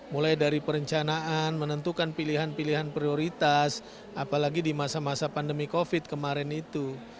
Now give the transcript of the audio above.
mulai dari perencanaan menentukan pilihan pilihan prioritas apalagi di masa masa pandemi covid kemarin itu